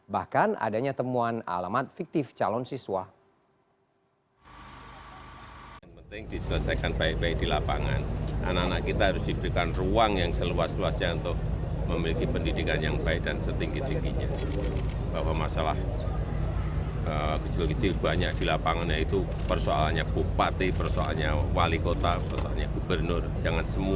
bahkan adanya temuan alamat fiktif calon siswa